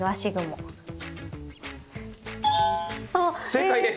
正解です！